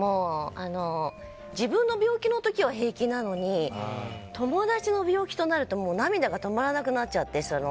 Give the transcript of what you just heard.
自分の病気の時は平気なのに友達の病気となると涙が止まらなくなっちゃって。